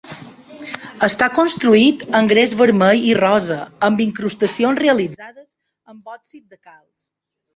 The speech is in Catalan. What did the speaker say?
Està construït en gres vermell i rosa, amb incrustacions realitzades en òxid de calci.